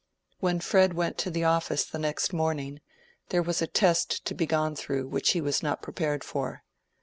When Fred went to the office the next morning, there was a test to be gone through which he was not prepared for.